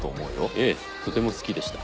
ええとても好きでした。